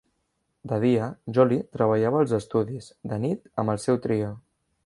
De dia, Jolly treballava als estudis; de nit, amb el seu trio.